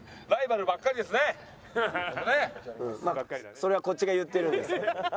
それはこっちが言ってるんですけど。